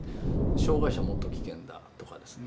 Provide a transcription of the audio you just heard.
障害者はもっと危険だとかですね。